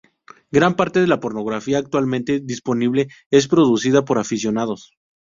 Gran parte de la pornografía actualmente disponible es producida por aficionados.